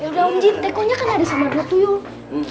yaudah om jin teko nya kan ada sama berat tuh yuk